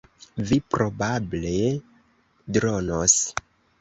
Vi probable dronos.